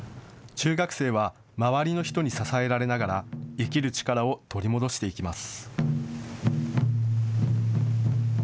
中学生は周りの人に支えられながら生きる力を取り戻していきます。